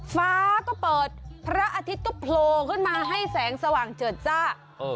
ฟ้าก็เปิดพระอาทิตย์ก็โผล่ขึ้นมาให้แสงสว่างเจิดจ้า